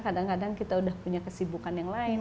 kadang kadang kita udah punya kesibukan yang lain